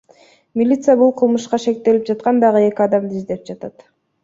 Милиция бул кылмышка шектелип жаткан дагы эки адамды издеп жатат.